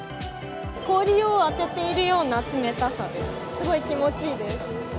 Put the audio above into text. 氷を当てているような冷たさです、すごい気持ちいいです。